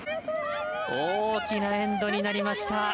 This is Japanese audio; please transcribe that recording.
大きなエンドになりました。